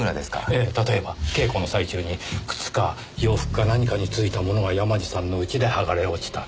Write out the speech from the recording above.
ええ例えば稽古の最中に靴か洋服か何かに付いたものが山路さんの家ではがれ落ちた。